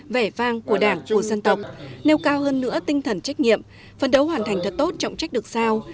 vẻ vang của đảng của dân tộc nêu cao hơn nữa tinh thần trách nhiệm phân đấu hoàn thành thật tốt trọng trách được sao